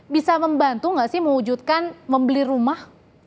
bisa membantu nggak sih mewujudkan membeli rumah